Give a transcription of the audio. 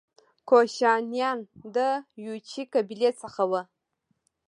کوشانیان د یوچي قبیلې څخه وو